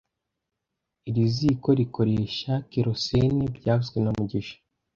Iri ziko rikoresha kerosene byavuzwe na mugisha